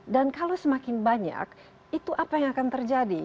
dan kalau semakin banyak itu apa yang akan terjadi